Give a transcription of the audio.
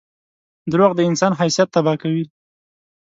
• دروغ د انسان حیثیت تباه کوي.